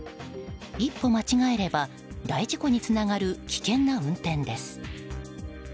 一歩間違えれば大事故につながる危険な運転です。